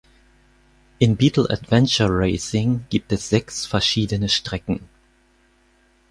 In Beetle Adventure Racing gibt es sechs verschiedene Strecken.